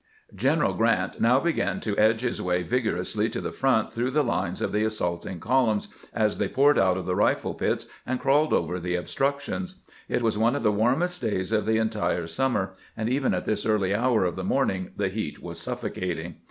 General Grant now began to edge his way vigorously to the front through the lines of the assaulting columns as they poured out of the rifle pits and crawled over the obstructions. It was one of the warmest days of the entire summer, and even at this early hour of the morning the heat was suffocating.